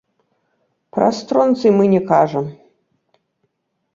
Пра стронцый мы не кажам.